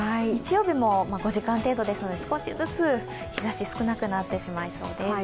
日曜日も５時間程度ですので、少しずつ日ざしが少なくなってしまいそうです。